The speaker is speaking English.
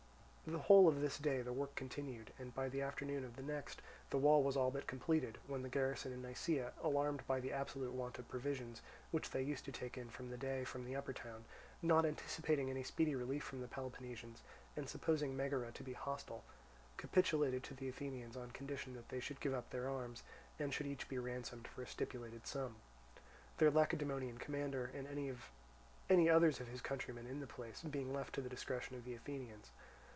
The whole of this day the work continued, and by the afternoon of the next the wall was all but completed, when the garrison in Nisaea, alarmed by the absolute want of provisions, which they used to take in for the day from the upper town, not anticipating any speedy relief from the Peloponnesians, and supposing Megara to be hostile, capitulated to the Athenians on condition that they should give up their arms, and should each be ransomed for a stipulated sum; their Lacedaemonian commander, and any others of his countrymen in the place, being left to the discretion of the Athenians.